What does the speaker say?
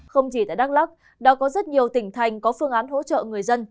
không chỉ tại đắk lắc đã có rất nhiều tỉnh thành có phương án hỗ trợ người dân